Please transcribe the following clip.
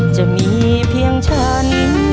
จะมีเพียงฉัน